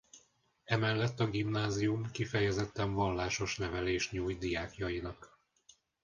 Emellett a gimnázium kifejezetten vallásos nevelést nyújt diákjainak.